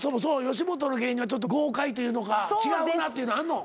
吉本の芸人はちょっと豪快というのか違うなっていうのはあんの？